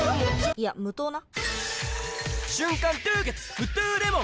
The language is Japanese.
いや無糖な！